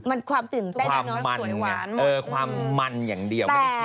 มันความตื่นเต้นความมันความมันอย่างเดียว